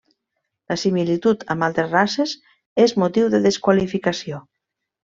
La similitud amb altres races és motiu de desqualificació.